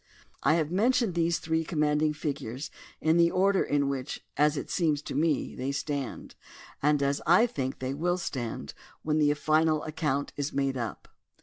I have mentioned these three com manding figures in the order in which, as it seems to me, they stand, and as I think they will stand when the final account is made up.